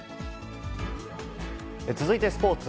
続いてスポーツ。